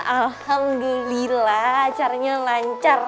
alhamdulillah acaranya lancar